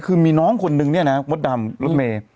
คือมีน้องคนนึงเนี่ยนะมดดำรถเมย์